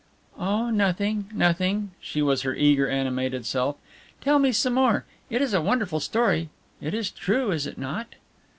"Oh, nothing, nothing." She was her eager, animated self. "Tell me some more. It is a wonderful story. It is true, is it not?"